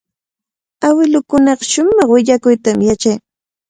Awilukunaqa shumaq willakuykunatami yachan.